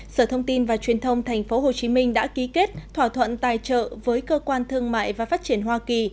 sở thông tin và truyền thông tp hcm đã ký kết thỏa thuận tài trợ với cơ quan thương mại và phát triển hoa kỳ